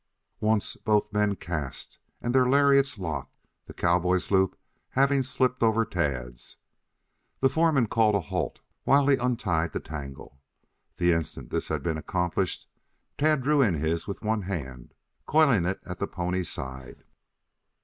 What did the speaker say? Once both men cast and their lariats locked, the cowboy's loop having slipped over Tad's. The foreman called a halt while he untied the tangle. The instant this had been accomplished, Tad drew in his with one hand, coiling it at the pony's side.